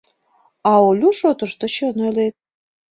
— А Олю шотышто чын ойлет.